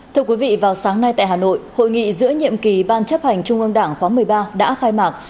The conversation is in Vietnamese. thưa quý vị vào sáng nay tại hà nội hội nghị giữa nhiệm kỳ ban chấp hành trung ương đảng khóa một mươi ba đã khai mạc